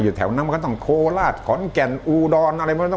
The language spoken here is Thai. อยู่แถวนั้นมันก็ต้องโคลาขอนแก่นอูดอน